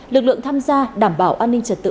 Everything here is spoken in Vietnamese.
lực lượng tham gia đảm bảo an ninh trật tự